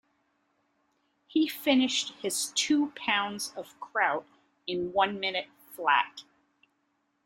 He finished his two pounds of kraut in one minute flat.